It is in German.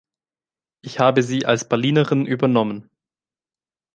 Ich habe sie als Berlinerin übernommen.